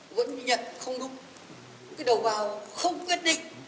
vẫn nhận không đúng cái đầu vào không quyết định